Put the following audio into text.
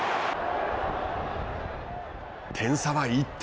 点差は１点。